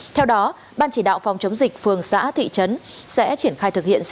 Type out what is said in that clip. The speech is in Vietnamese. theo đó ban chỉ đạo phòng chống dịch phường xã thị trấn sẽ triển khai thực hiện